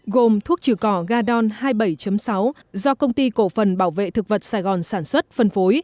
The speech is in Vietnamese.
gồm thuốc trừ cỏ gadon hai mươi bảy sáu do công ty cổ phần bảo vệ thực vật sài gòn sản xuất phân phối